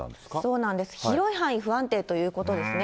そうなんです、広い範囲、不安定ということですね。